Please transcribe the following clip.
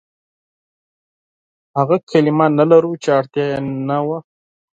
هغه کلمې نه لرو، چې اړتيا يې نه وه.